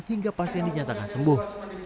hingga pasien dinyatakan sembuh